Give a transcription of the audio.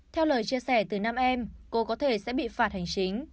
theo lời chia sẻ từ năm em cô có thể sẽ bị phạt hành chính